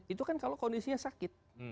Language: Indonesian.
itu kan kalau kondisinya sakit